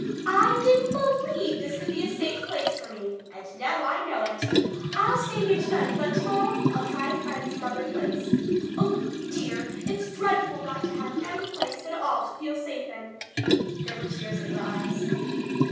I didn't believe this could be a safe place for me, and now I know it. I'll stay here to night, but to morrow I'll try to find some other place. Oh, dear, it's dreadful not to have any place at all to feel safe in." There were tears in her eyes.